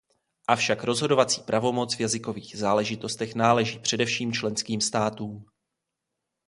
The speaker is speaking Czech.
Avšak rozhodovací pravomoc v jazykových záležitostech náleží především členským státům.